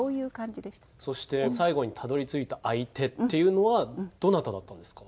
そして最後にたどりついた相手っていうのはどなただったんですか？